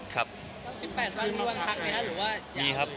วันประมาณ๑๘กิโลกรัมมีวันพักไหมครับ